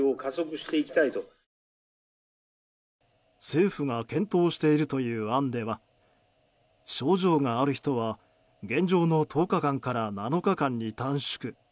政府が検討しているという案では症状がある人は現状の１０日間から７日間に短縮。